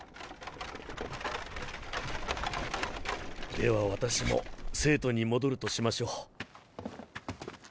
では私も聖都に戻るとしましょう。